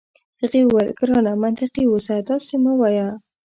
هغې وویل: ګرانه منطقي اوسه، داسي مه وایه.